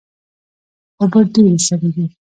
اوبه ډیرې سړې دي